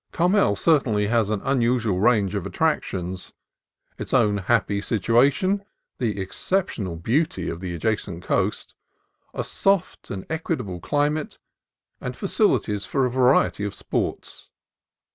Carmel certainly has an unusual range of attractions: its own happy situa tion, the exceptional beauty of the adjacent coast, a soft and equable climate, and facilities for a variety of sports.